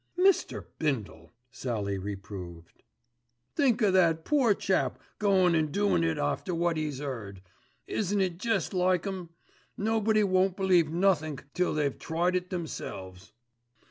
"Mr. Bindle!" Sallie reproved. "Think o' that poor chap goin' an' doin' it after wot 'e'd 'eard. Isn't it jest like 'em. Nobody won't believe nothink till they've tried it themselves.